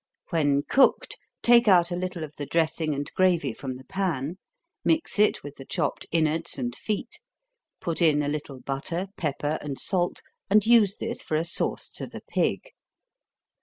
When cooked, take out a little of the dressing and gravy from the pan, mix it with the chopped inwards and feet, put in a little butter, pepper, and salt, and use this for a sauce to the pig.